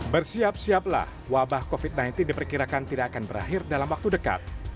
bersiap siaplah wabah covid sembilan belas diperkirakan tidak akan berakhir dalam waktu dekat